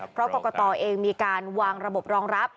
เพราะกรกตเองมีการวางระบบรองรับ